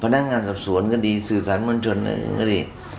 นั่งงานสับสวนก็ดีสื่อสารมันชนอื่นก็ดี